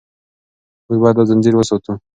موږ باید دا ځنځیر وساتو.